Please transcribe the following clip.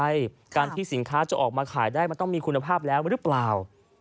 การที่สินค้าจะออกมาขายได้มันต้องมีคุณภาพแล้วหรือเปล่า